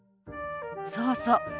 そうそう。